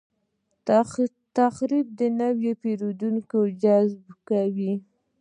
تخفیف د نوي پیرودونکو جذب کوي.